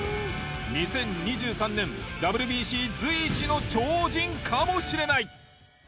２０２３年ＷＢＣ随一の超人かもしれない。